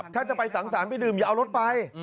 ถ้าจะไปสังสรรคไปดื่มอย่าเอารถไป